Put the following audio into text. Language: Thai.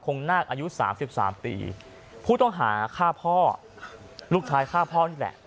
คงนาคอายุสามสิบสามปีผู้ต้องหาฆ่าพ่อลูกชายฆ่าพ่อนี่แหละ